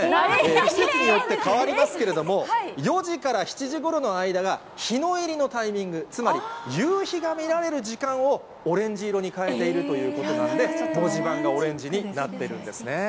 季節によって変わりますけれども、４時から７時ごろの間が、日の入りのタイミング、つまり夕日が見られる時間をオレンジ色に変えているということなんで、文字盤がオレンジになってるんですね。